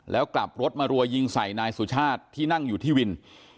แล้วกลับรถมารัวยิงใส่นายสุชาติที่นั่งอยู่ที่วิน